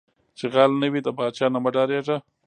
ـ چې غل نه وې د پاچاه نه مه ډارېږه.